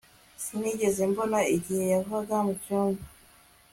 Sinigeze mbona igihe yavaga mucyumba